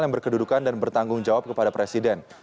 yang berkedudukan dan bertanggung jawab kepada presiden